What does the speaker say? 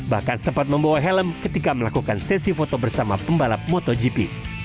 bahkan sempat membawa helm ketika melakukan sesi foto bersama pembalap motogp